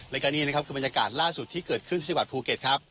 แล้วก็นี่นะครับคือบรรยากาศล่าสุดที่เกิดขึ้นที่จังหวัดภูเก็ตครับ